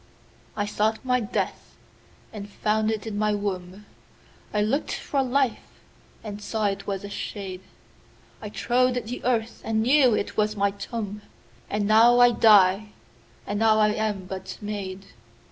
13I sought my death and found it in my womb,14I lookt for life and saw it was a shade,15I trode the earth and knew it was my tomb,16And now I die, and now I am but made.